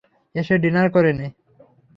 এসে ডিনার করে নে।